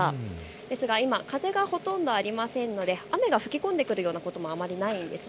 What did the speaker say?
ですが今、風はほとんどありませんので雨が吹き込んでくるようなこともあまりないんです。